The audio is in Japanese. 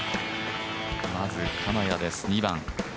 まず金谷です、２番。